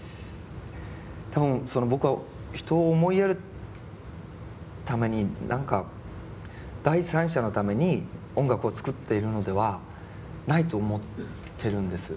多分僕は人を思いやるために何か第三者のために音楽を作っているのではないと思ってるんです。